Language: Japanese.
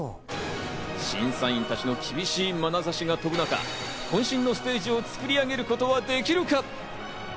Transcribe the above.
審査員たちの厳しいまなざしが飛ぶ中、渾身のステージを作り上げることはできるか？